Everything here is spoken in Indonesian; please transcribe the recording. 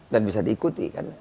dan bisa diikuti kan